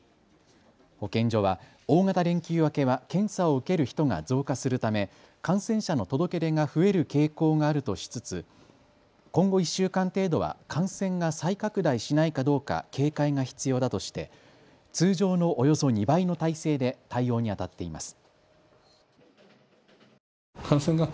保健所は大型連休明けは検査を受ける人が増加するため感染者の届け出が増える傾向があるとしつつ今後１週間程度は感染が再拡大しないかどうか警戒が必要だとして通常のおよそ２倍の体制で対応にあたっています。